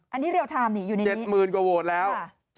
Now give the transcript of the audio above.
อันนี้เรียลไทม์นี่อยู่นี่๗๐๐กว่าโหวตแล้ว